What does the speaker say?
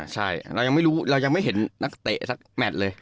ใช่เรายังไม่รู้เรายังไม่เห็นนักเตะสักแมทเลย